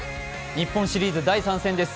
日本シリーズ第３戦です。